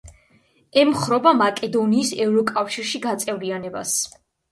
ემხრობა მაკედონიის ევროკავშირში გაწევრიანებას.